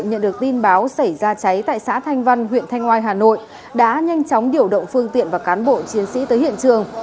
nhận được tin báo xảy ra cháy tại xã thanh văn huyện thanh oai hà nội đã nhanh chóng điều động phương tiện và cán bộ chiến sĩ tới hiện trường